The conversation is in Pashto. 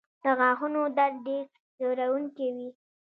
د غاښونو درد ډېر ځورونکی وي.